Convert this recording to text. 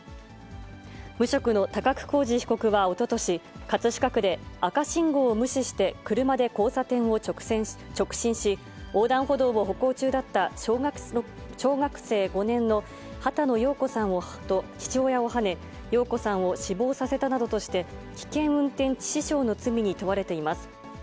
無職の高久浩二被告はおととし、葛飾区で赤信号を無視して車で交差点を直進し、横断歩道を歩行中だった小学生５年の波多野耀子さんと父親をはね、耀子さんを死亡させたなどとして、危険運転致死傷の罪に問われています。